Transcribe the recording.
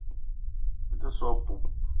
Me te so a poup.